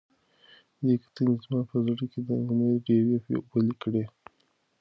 دې کتنې زما په زړه کې د امید ډیوې بلې کړې.